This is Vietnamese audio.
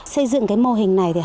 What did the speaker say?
xây dựng cái mô hình này thì hợp